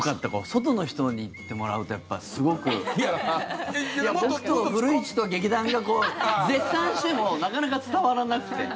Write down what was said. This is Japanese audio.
外の人に言ってもらうとすごく僕と古市と劇団が絶賛してもなかなか伝わらなくて。